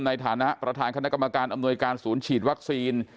ในฐานะประธานคณะกรรมการอำนวยการศูนย์ฉีดวัคซีน